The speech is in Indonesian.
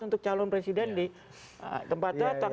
untuk calon presiden di tempat datang